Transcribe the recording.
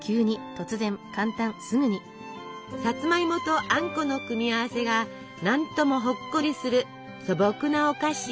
さつまいもとあんこの組み合わせが何ともほっこりする素朴なお菓子。